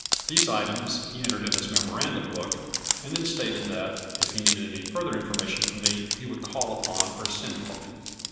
These items he entered in his memoran dum book and then stated that, if he needed any further information from me, he would call upon or send for me.